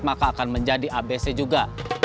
maka akan menjadi abc juga